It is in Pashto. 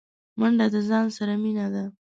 منډه د ځان سره مینه ده